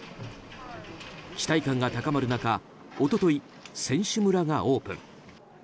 期待感が高まる中一昨日、選手村がオープン。